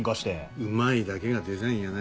うまいだけがデザインやない。